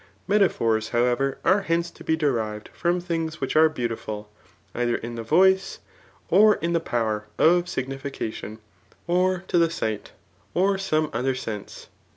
Metaphors, however, are hence to be derived from things which are beautiful, either in the voice, or in the power ^of signification,^ or to the sight, or some other sense.